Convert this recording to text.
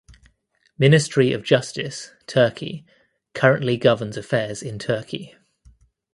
Ministry of Justice (Turkey) currently governs affairs in Turkey.